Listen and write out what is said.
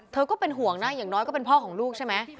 ก็เป็นห่วงนะอย่างน้อยก็เป็นพ่อของลูกใช่ไหม